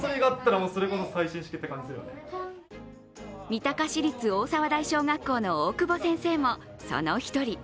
三鷹市立大沢台小学校の大久保先生もその一人。